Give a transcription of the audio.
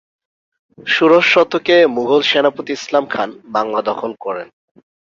ষোড়শ শতকে মুঘল সেনাপতি ইসলাম খান বাংলা দখল করেন।